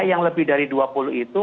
yang lebih dari dua puluh itu